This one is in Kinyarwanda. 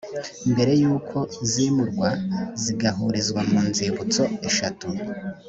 mbere y uko zimurwa zigahurizwa mu nzibutso eshatu